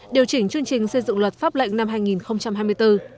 điều chỉnh chương trình xây dựng luật pháp lệnh năm hai nghìn hai mươi bốn